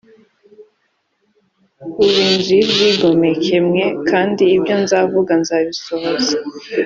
ub inzu y ibyigomeke mwe kandi ibyo nzavuga nzabisohoza